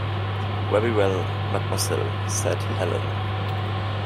"Very well, mademoiselle," said Helene.